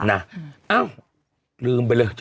เอ้าลืมไปเลย